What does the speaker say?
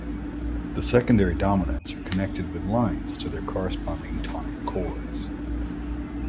The secondary dominants are connected with lines to their corresponding tonic chords.